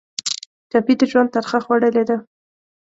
ټپي د ژوند ترخه خوړلې ده.